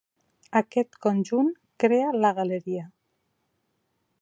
Aquest conjunt crea la galeria.